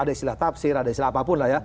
ada istilah tafsir ada istilah apapun